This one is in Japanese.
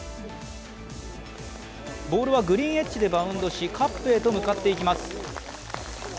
ボールはグリーンエッジでバウンドし、カップへと向かっていきます。